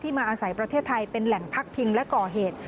มาอาศัยประเทศไทยเป็นแหล่งพักพิงและก่อเหตุ